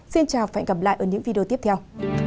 xin chào và hẹn gặp lại ở những video tiếp theo